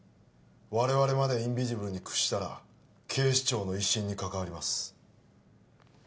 我々までインビジブルに屈したら警視庁の威信に関わります